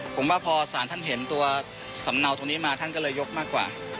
ผมว่าพอสารท่านเห็นตัวสำเนาตรงนี้มาท่านก็เลยยกมากกว่า